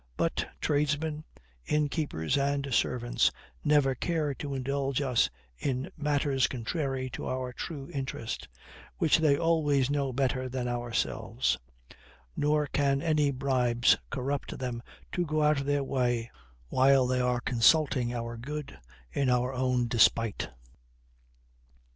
But tradesmen, inn keepers, and servants, never care to indulge us in matters contrary to our true interest, which they always know better than ourselves; nor can any bribes corrupt them to go out of their way while they are consulting our good in our own despite.